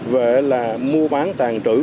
về là mua bán tàng trữ